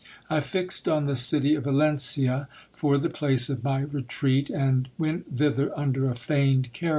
I fixed on the city of Valencia for the place of my retreat, and went thither under a feigned char 192 GIL BLAS.